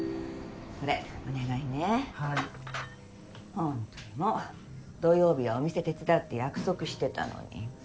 ほんとにもう土曜日はお店手伝うって約束してたのに。